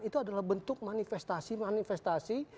itu adalah bentuk manifestasi manifestasi